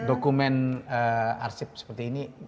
dokumen arsip seperti ini